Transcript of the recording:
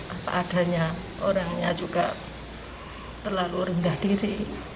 apa adanya orangnya juga terlalu rendah diri